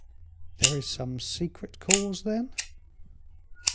"There is some secret cause, then?"